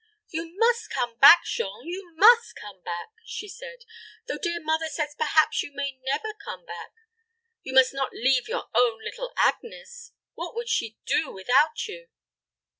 "You must come back, Jean you must come back," she said; "though dear mother says perhaps you may never come back you must not leave your own little Agnes. What would she do without you?"